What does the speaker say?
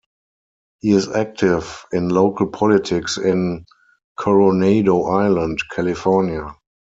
He is active in local politics in Coronado Island, California.